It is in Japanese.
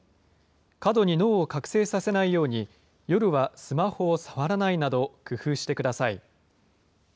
過度に脳を覚醒させないように、夜はスマホを触らないなど工夫してください。